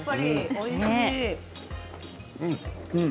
おいしい。